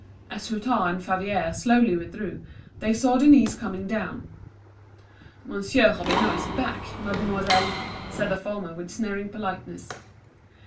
As Hutin and Favier slowly withdrew, they saw Denise coming down. "Monsieur Robineau is back, mademoiselle," said the former with sneering politeness.